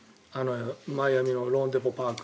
マイアミのローンデポ・パーク。